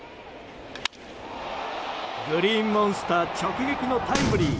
グリーンモンスター直撃のタイムリー。